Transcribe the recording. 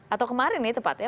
atau kemarin nih tepatnya